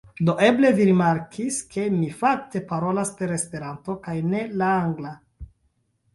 Do eble vi rimarkis, ke mi fakte parolas per Esperanto kaj ne la angla.